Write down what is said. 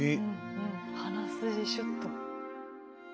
うんうん鼻筋シュッと。